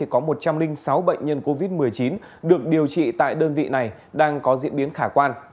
có một trăm linh sáu bệnh nhân covid một mươi chín được điều trị tại đơn vị này đang có diễn biến khả quan